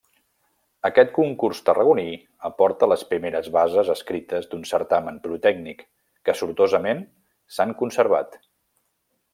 Aquest concurs tarragoní aporta les primeres bases escrites d'un certamen pirotècnic, que sortosament s'han conservat.